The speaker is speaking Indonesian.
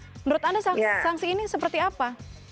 menurut anda sanksi ini seperti apa